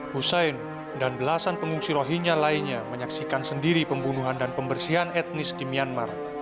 hussein dan belasan pengungsi rohingya lainnya menyaksikan sendiri pembunuhan dan pembersihan etnis di myanmar